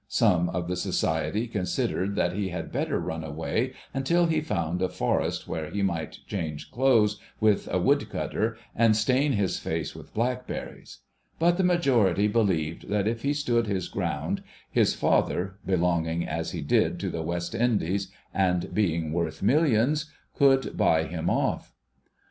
Some of the Society considered that he had better run away until he found a forest where he might change clothes Avith a wood cutter, and stain his face with blackberries ; but the majority believed that if he stood his ground, his father — belonging as he did to the West Indies, and being v;orth millions— could buy him off.